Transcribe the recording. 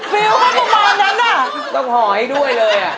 ฟิลเขาประมาณนั้นต้องห่อให้ด้วยเลย